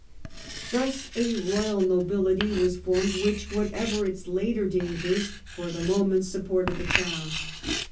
Tlius a royal nobility was formed which, whatever its later dangers, for the moment, sup ported the crown.